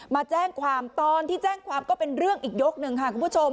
มาแจ้งความตอนที่แจ้งความก็เป็นเรื่องอีกยกหนึ่งค่ะคุณผู้ชม